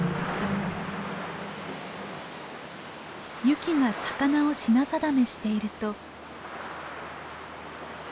ユキが魚を品定めしていると。